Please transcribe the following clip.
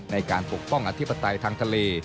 ในการปกป้องอธิบัติภัยทางทะเล